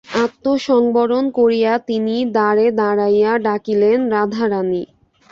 আত্মসংবরণ করিয়া তিনি দ্বারে দাঁড়াইয়া ডাকিলেন, রাধারানী!